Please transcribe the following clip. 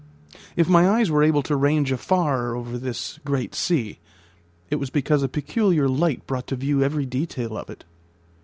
If my eyes were able to range afar over this great sea, it was because a peculiar light brought to view every detail of it.